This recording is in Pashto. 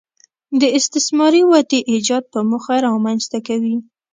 د استثماري ودې ایجاد په موخه رامنځته کوي